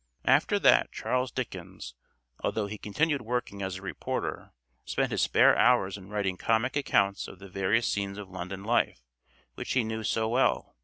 After that Charles Dickens, although he continued working as reporter, spent his spare hours in writing comic accounts of the various scenes of London life which he knew so well.